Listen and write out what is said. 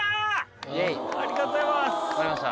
ありがとうございます。